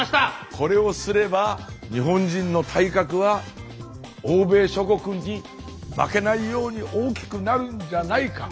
これをすれば日本人の体格は欧米諸国に負けないように大きくなるんじゃないか。